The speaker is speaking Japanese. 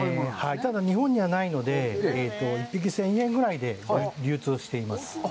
ただ、日本にはないので、１匹１０００円ぐらいで流通しています。